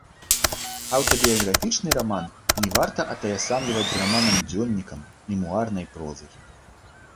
Аўтабіяграфічны раман не варта атаясамліваць з раманам-дзённікам, мемуарнай прозай.